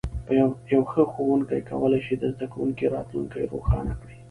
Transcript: یو ښه ښوونکی کولی شي د زده کوونکي راتلونکی روښانه کړي.